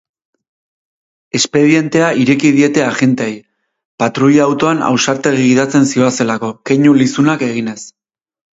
Espedientea ireki diete agenteei, patruila-autoan ausartegi gidatzen zihoazelako, keinu lizunak eginez.